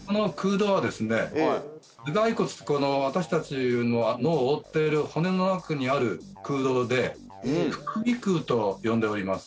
頭蓋骨この私達の脳を覆っている骨の中にある空洞で副鼻腔と呼んでおります